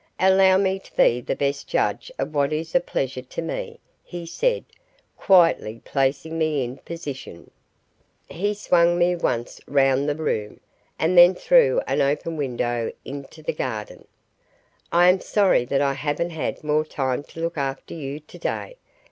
"Allow me to be the best judge of what is a pleasure to me," he said, quietly placing me in position. He swung me once round the room, and then through an open window into the garden. "I am sorry that I haven't had more time to look after you today.